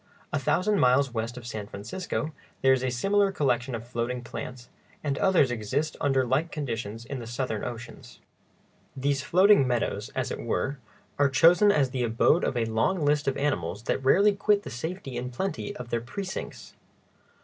A thousand miles west of San Francisco there is a similar collection of floating plants, and others exist under like conditions in the southern oceans. [Illustration: THE MARBLED ANGLER ON ITS GULFWEED RAFT.] These floating meadows, as it were, are chosen as the abode of a long list of animals that rarely quit the safety and plenty of their precincts.